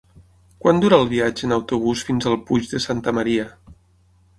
Quant dura el viatge en autobús fins al Puig de Santa Maria?